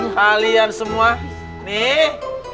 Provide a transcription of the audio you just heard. kalian semua nih